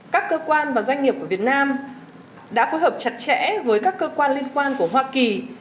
các cơ quan và doanh nghiệp của việt nam đã phối hợp chặt chẽ với các cơ quan liên quan của hoa kỳ